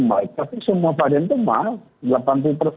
mereka semua pada itu mild